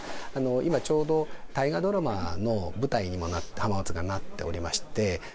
今ちょうど、大河ドラマの舞台にも浜松がなっておりまして。